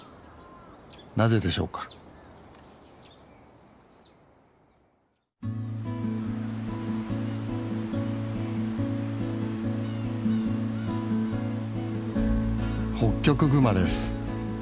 なぜでしょうかホッキョクグマです。